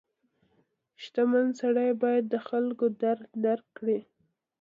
• شتمن سړی باید د خلکو درد درک کړي.